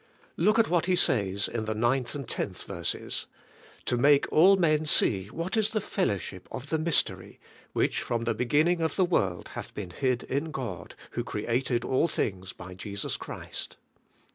Look at what He says in the 9th and 10th verses: "To make all men see what is the fellowship of the mystery, which from the begin ning of the Vv^orld hath been hid in God, who created all things by Jesus Christ.